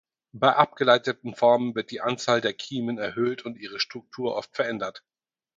Bei abgeleiteten Formen wird die Anzahl der Kiemen erhöht und ihre Struktur oft verändert.